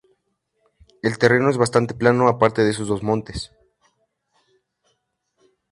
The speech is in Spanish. El terreno es bastante plano aparte de estos dos montes.